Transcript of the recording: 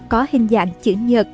có hình dạng chữ nhật